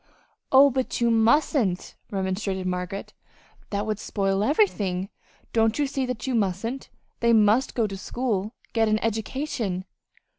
"Oh, but you mustn't," remonstrated Margaret. "That would spoil everything. Don't you see that you mustn't? They must go to school get an education."